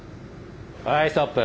はいストップ！